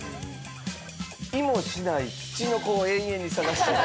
いもしないツチノコを永遠に探してる。